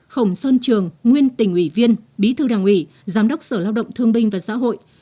khổng sơn trường nguyên tỉnh ủy viên bí thư đảng ủy giám đốc sở lao động thương binh và xã hội